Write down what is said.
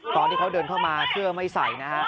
ตอนที่เขาเดินเข้ามาเสื้อไม่ใส่นะฮะ